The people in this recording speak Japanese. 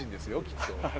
きっと。